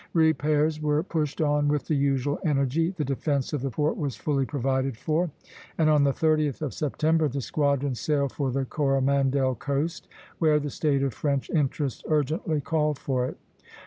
Repairs were pushed on with the usual energy, the defence of the port was fully provided for, and on the 30th of September the squadron sailed for the Coromandel coast, where the state of French interests urgently called for it.